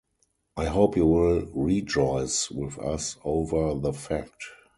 I hope you will rejoice with us over the fact.